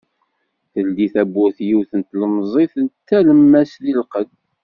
Teldi-d tawwurt yiwet n tlemẓit d talemmast di lqedd.